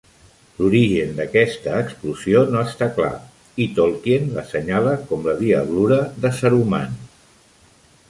L'origen d'aquesta explosió no està clar i Tolkien l'assenyala com "la diablura de Saruman".